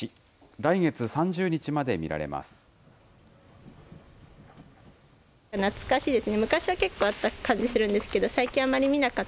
来月３０日まで見られます。